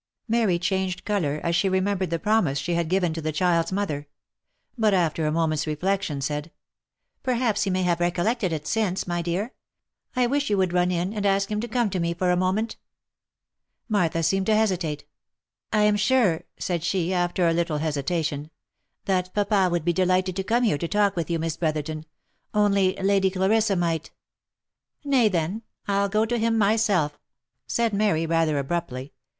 Mary changed colour, as she remembered the promise she had given to the child's mother; but after a moment's reflection, said, " Perhaps he may have recollected it, since, my dear — I wish you would run in, and ask him to come to me for a moment." Martha seemed to hesitate. "I am sure," said she, after a little hesitation, " that papa would be delighted to come here to talk with you, Miss Brotherton — only Lady Clarissa might —"" Nay, then, I'll go to him myself," said Mary, rather abruptly.